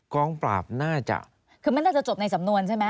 กองปราบน่าจะคือมันน่าจะจบในสำนวนใช่ไหม